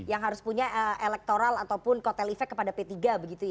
yang harus punya elektoral ataupun kotel ifek kepada p tiga begitu ya